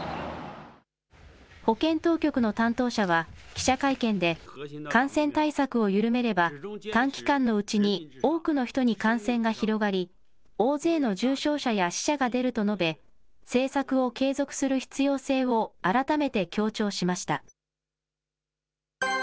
保健当局の担当者は、記者会見で、感染対策を緩めれば、短期間のうちに多くの人に感染が広がり、大勢の重症者や死者が出ると述べ、政策を継続する必要性を改めて強調しました。